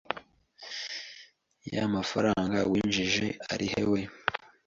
yamafaranga winjije arihe we